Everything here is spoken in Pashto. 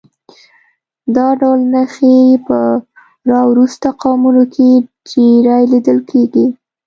دا ډول نښې په راوروسته قومونو کې ډېرې لیدل کېږي